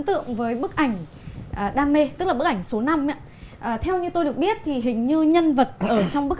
tượng với bức ảnh đam mê tức là bức ảnh số năm theo như tôi được biết thì hình như nhân vật ở trong bức